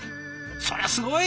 そりゃすごい！